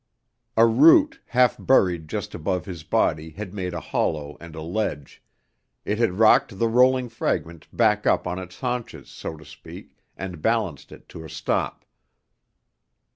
A root half buried just above his body had made a hollow and a ledge; it had rocked the rolling fragment back up on its haunches, so to speak, and balanced it to a stop.